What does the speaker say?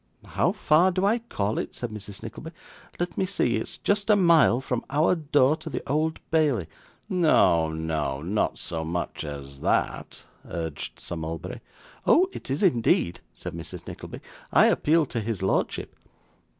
'How far do I call it?' said Mrs. Nickleby. 'Let me see. It's just a mile from our door to the Old Bailey.' 'No, no. Not so much as that,' urged Sir Mulberry. 'Oh! It is indeed,' said Mrs. Nickleby. 'I appeal to his lordship.